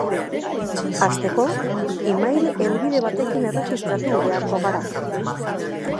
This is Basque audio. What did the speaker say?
Hasteko, email helbide batekin erregistratu beharko gara.